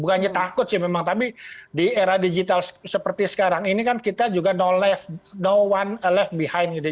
bukannya takut sih memang tapi di era digital seperti sekarang ini kan kita juga know one left behind gitu